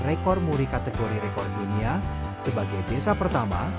rekor muri kategori rekor dunia sebagai desa pertama